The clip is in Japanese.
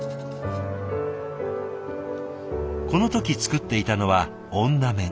この時作っていたのは女面。